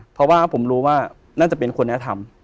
เพราะว่าผมรู้ว่าน่าจะเป็นคนนี้ทำ